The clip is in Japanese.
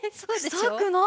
臭くない！